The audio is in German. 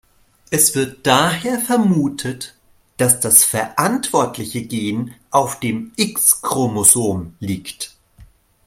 Es wird daher vermutet, dass das verantwortliche Gen auf dem X-Chromosom liegt.